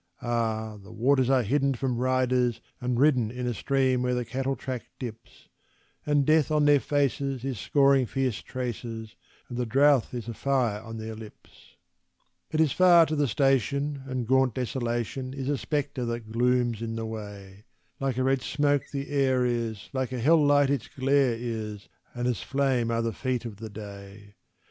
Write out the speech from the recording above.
Ah! the waters are hidden from riders and ridden In a stream where the cattle track dips; And Death on their faces is scoring fierce traces, And the drouth is a fire on their lips. It is far to the station, and gaunt Desolation Is a spectre that glooms in the way; Like a red smoke the air is, like a hell light its glare is, And as flame are the feet of the day.